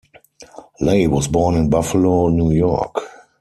Lay was born in Buffalo, New York.